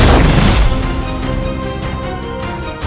ini majib banget ya